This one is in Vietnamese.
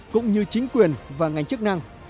cũng như chính quyền và ngành chức năng